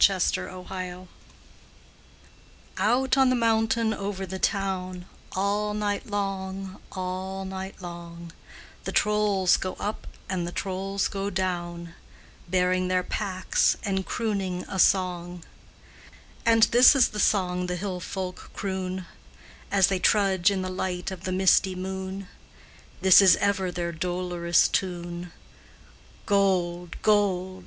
CORNISH LULLABY Out on the mountain over the town, All night long, all night long, The trolls go up and the trolls go down, Bearing their packs and crooning a song; And this is the song the hill folk croon, As they trudge in the light of the misty moon, This is ever their dolorous tune: "Gold, gold!